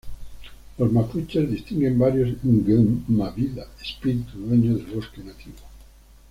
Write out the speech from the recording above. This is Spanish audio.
Los Mapuches distinguen varios Ngen-mawida, espíritu dueño del bosque nativo.